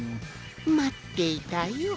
まっていたよ